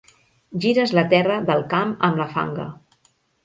Gires la terra del camp amb la fanga.